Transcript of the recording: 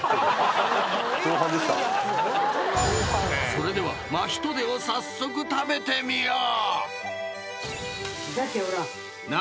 ［それではマヒトデを早速食べてみよう］